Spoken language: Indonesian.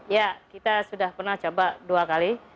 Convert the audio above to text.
ya kita sudah pernah coba dua kali